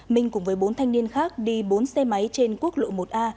minh cùng với bốn thanh niên khác đi bốn xe máy trên quốc lộ một a